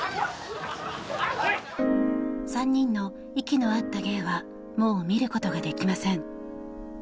３人の息の合った芸はもう見ることはできません。